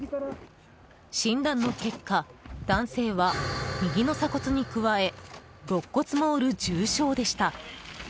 診断の結果男性は右の鎖骨に加え肋骨も折る重傷でした。